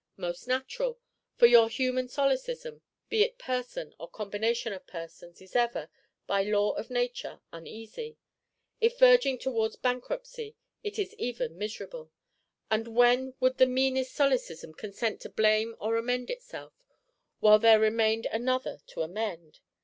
Most natural! For your human Solecism, be it Person or Combination of Persons, is ever, by law of Nature, uneasy; if verging towards bankruptcy, it is even miserable:—and when would the meanest Solecism consent to blame or amend itself, while there remained another to amend?